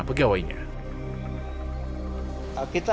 ketua ong budsman menyatakan pihaknya